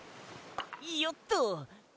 よっと！